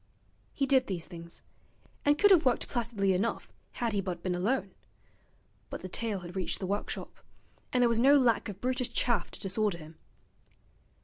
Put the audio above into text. He did these things, and could have worked placidly enough had he but been alone; but the tale had reached the workshop, and there was no lack of brutish chaff to disorder him.